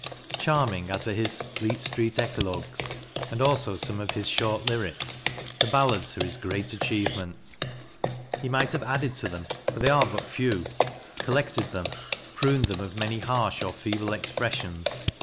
Charming as are his " Fleet Street Eclogues," and also some of his short lyrics, the ballads are his great JOHN DAVIDSON 209 achievement. He might have added to them, for they are but few, collected them, pruned them of many harsh or feeble expressions.